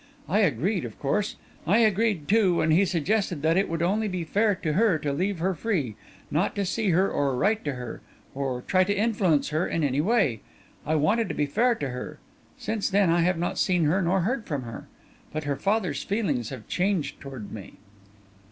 I agreed, of course; I agreed, too, when he suggested that it would only be fair to her to leave her free not to see her or write to her, or try to influence her in any way. I wanted to be fair to her. Since then, I have not seen her, nor heard from her. But her father's feelings have changed toward me."